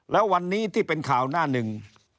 แล้ววันนี้ที่เป็นข่าวหน้าหนึ่ง